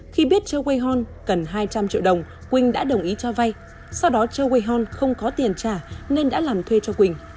khi biết choe wei hon cần hai trăm linh triệu đồng quỳnh đã đồng ý cho vay sau đó choe wei hon không có tiền trả nên đã làm thuê cho quỳnh